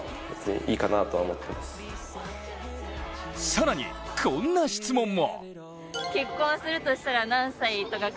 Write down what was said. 更に、こんな質問も。